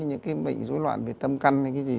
những cái bệnh dối loạn về tâm căn hay cái gì